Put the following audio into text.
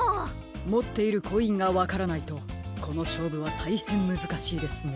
もっているコインがわからないとこのしょうぶはたいへんむずかしいですね。